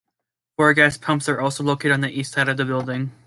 Four gas pumps are also located on the east side of the building.